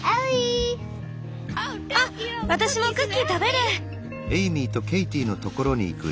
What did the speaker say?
あっ私もクッキー食べる！